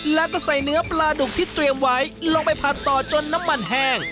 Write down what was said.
แล้วก็ใส่เนื้อปลาดุกที่เตรียมไว้ลงไปผัดต่อจนน้ำมันแห้ง